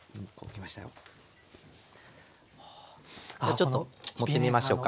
ちょっと盛ってみましょうか。